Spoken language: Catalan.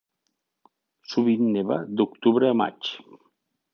Sovint neva d'octubre a maig.